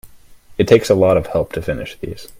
It takes a lot of help to finish these.